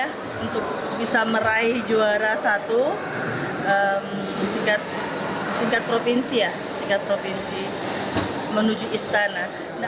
untuk bisa meraih juara satu di tingkat provinsi ya tingkat provinsi menuju istana